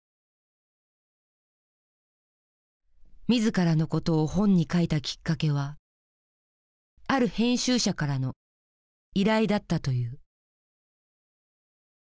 自らのことを本に書いたきっかけはある編集者からの依頼だったという。